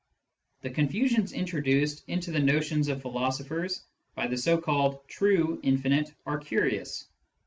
The confusions introduced into the notions of philoso phers by the so called " true " infinite are curious.